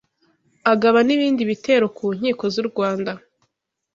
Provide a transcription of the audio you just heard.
agaba n’ ibindi bitero ku nkiko z’u Rwanda